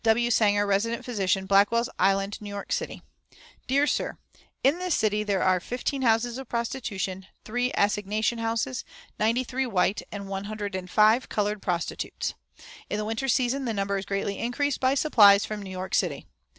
W. SANGER, Resident Physician, "Blackwell's Island, New York City: "DEAR SIR, In this city there are fifteen houses of prostitution, three assignation houses, ninety three white, and one hundred and five colored prostitutes. In the winter season the number is greatly increased by supplies from New York City.